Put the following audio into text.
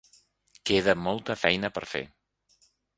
Queda molta feina per fer!